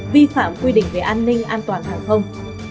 vi phạm quy định về an ninh an toàn hàng không